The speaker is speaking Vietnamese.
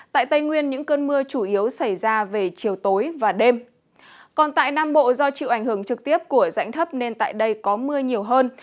tây nguyên và nam bộ hôm nay sẽ chịu ảnh hưởng trực tiếp của dãnh thấp xích đạo đang có xu hướng gia tăng